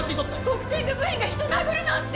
ボクシング部員が人を殴るなんて。